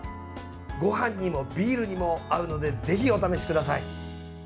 ごはんにもビールにも合うのでぜひ、お試しください。